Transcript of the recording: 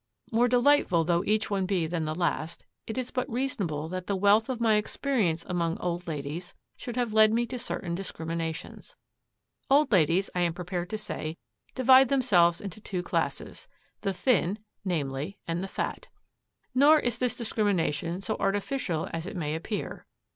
More delightful though each one be than the last, it is but reasonable that the wealth of my experience among old ladies should have led me to certain discriminations. Old ladies, I am prepared to say, divide themselves into two classes: the thin, namely, and the fat. Nor is this discrimination so artificial as it may appear.